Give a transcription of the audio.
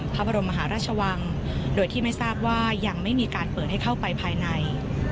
พระบรมมหาราชวังโดยที่ไม่ทราบว่ายังไม่มีการเปิดให้เข้าไปภายใน